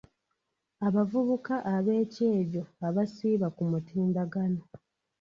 Abavubuka ab'ekyejo abasiiba ku mutimbagano.